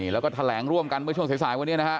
แล้วก็แถลงร่วมกันเมื่อช่วงสายวันนี้นะฮะ